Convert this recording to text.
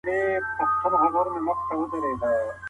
کله عامه ترانسپورت پراخیږي؟